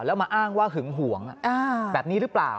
แล้วมาอ้างว่าหึงหวงแบบนี้หรือเปล่า